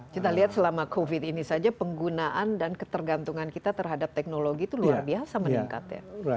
kita lihat selama covid ini saja penggunaan dan ketergantungan kita terhadap teknologi itu luar biasa meningkat ya